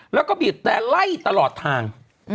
แล้วก็บีบแต่ไล่ตลอดทาง